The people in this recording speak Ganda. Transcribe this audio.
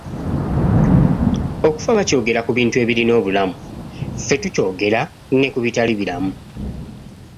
Okufa bakyogera ku bintu ebirina obulamu, ffe tukyogera ne ku bitali biramu.